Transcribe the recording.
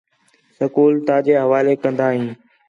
سکول تاجے حوالے کندا ہیں